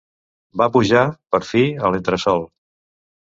Va pujar, per fi, a l'entresol